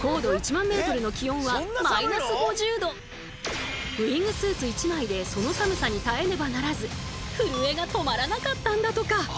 しかしウイングスーツ１枚でその寒さに耐えねばならず震えが止まらなかったんだとか。